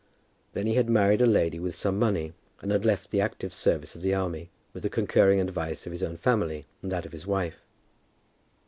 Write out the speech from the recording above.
Then he had married a lady with some money, and had left the active service of the army, with the concurring advice of his own family and that of his wife.